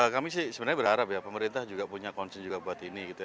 kami sih sebenarnya berharap ya pemerintah juga punya concern juga buat ini gitu